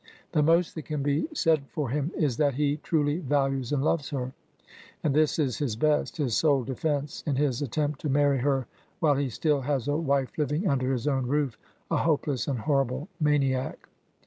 The most that can be said for him is that he truly values and loves her, and this is his best, his sole defence in his attempt to marry her while he still has a wife living under his own roof, a hopeless and horrible maniac.